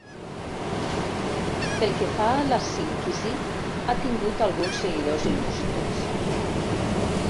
Pel que fa a la sínquisi, ha tingut alguns seguidors il·lustres.